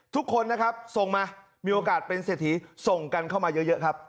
ทุกคนนะครับส่งมามีโอกาสเป็นเศรษฐีส่งกันเข้ามาเยอะครับ